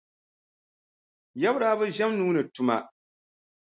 Yaba daa bi ʒɛm nuu ni tuma.